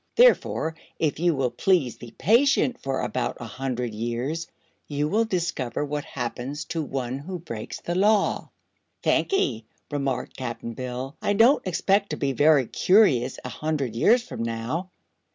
Therefore, if you will please be patient for about a hundred years, you will discover what happens to one who breaks the Law." "Thank'e," remarked Cap'n Bill. "I don't expect to be very curious, a hundred years from now."